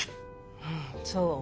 うんそう。